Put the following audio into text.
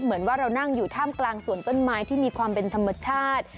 เหมือนว่าเรานั่งอยู่ท่ามกลางสวนต้นไม้ที่มีความเป็นธรรมชาติ